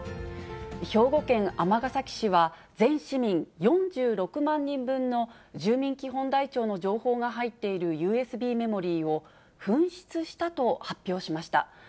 兵庫県尼崎市は、全市民４６万人分の住民基本台帳の情報が入っているＵＳＢメモリーを、紛失したと発表しました。